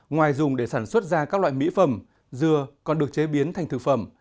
ngoài dùng để sản xuất ra các loại mỹ phẩm dừa còn được chế biến thành thực phẩm